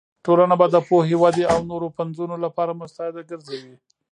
ټولنه به د پوهې، ودې او نوو پنځونو لپاره مستعده ګرځوې.